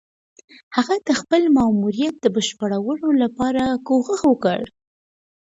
هغه د خپل ماموريت د بشپړولو لپاره کوښښ وکړ.